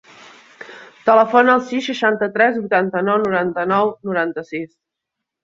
Telefona al sis, seixanta-tres, vuitanta-nou, noranta-nou, noranta-sis.